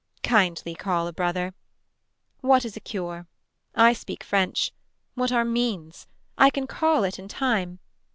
Kindly call a brother. What is a cure. I speak french. What are means. I can call it in time.